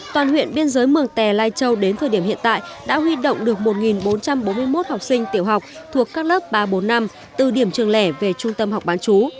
toàn huyện biên giới mường tè lai châu đến thời điểm hiện tại đã huy động được một bốn trăm bốn mươi một học sinh tiểu học thuộc các lớp ba bốn năm từ điểm trường lẻ về trung tâm học bán chú